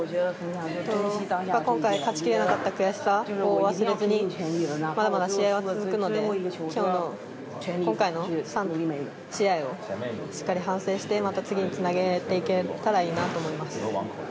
今回、勝ち切れなかった悔しさを忘れずにまだまだ試合は続くので今回の試合をしっかり反省してまた次につなげていけたらいいなと思います。